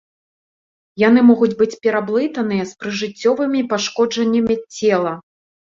Яны могуць быць пераблытаныя з прыжыццёвымі пашкоджаннямі цела.